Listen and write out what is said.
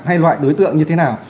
hay loại đối tượng như thế nào